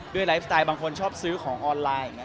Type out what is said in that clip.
ด้วยไลฟ์สไตล์บางคนชอบซื้อของออนไลน์